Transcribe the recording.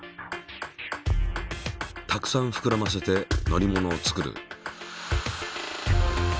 たくさんふくらませて乗り物を作る。